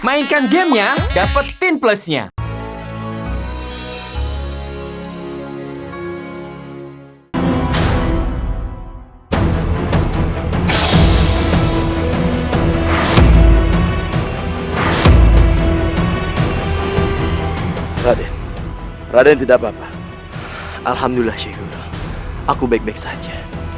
mainkan gamenya dapetin plusnya